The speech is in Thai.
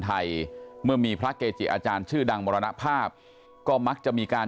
ไทยเมื่อมีพระเกจิอาจารย์ชื่อดังมรณภาพก็มักจะมีการ